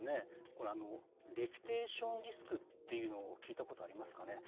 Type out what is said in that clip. これ、レピュテーションリスクというのを聞いたことありますかね？